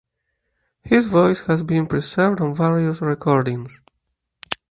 His voice has been preserved on various recordings.